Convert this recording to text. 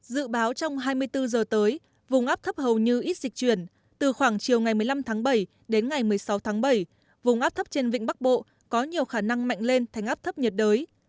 dự báo trong hai mươi bốn giờ tới vùng áp thấp hầu như ít dịch chuyển từ khoảng chiều ngày một mươi năm tháng bảy đến ngày một mươi sáu tháng bảy vùng áp thấp trên vịnh bắc bộ có nhiều khả năng mạnh lên thành áp thấp nhiệt đới